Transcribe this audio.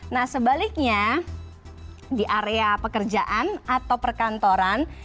nah sebaliknya di area pekerjaan atau perkantoran